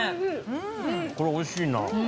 これ美味しいな。